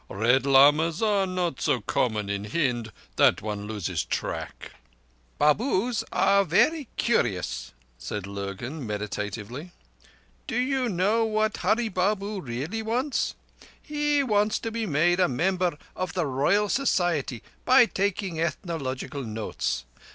Red Lamas are not so common in Hind that one loses track." "Babus are very curious," said Lurgan meditatively. "Do you know what Hurree Babu really wants? He wants to be made a member of the Royal Society by taking ethnological notes.